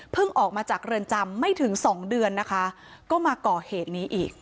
ออกมาจากเรือนจำไม่ถึงสองเดือนนะคะก็มาก่อเหตุนี้อีก